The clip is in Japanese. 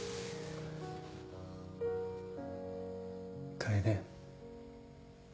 楓。